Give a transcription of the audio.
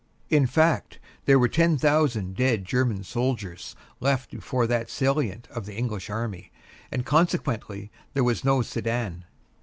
In fact, there were ten thousand dead German soldiers left before that salient of the English army, and consequently there was no Sedan.